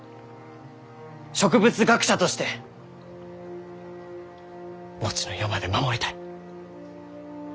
植物学者として後の世まで守りたい。